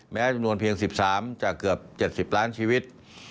จำนวนเพียง๑๓จากเกือบ๗๐ล้านชีวิต